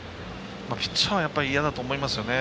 ピッチャーは嫌だと思いますよね。